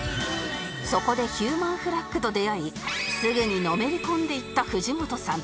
そこでヒューマンフラッグと出会いすぐにのめり込んでいった藤本さん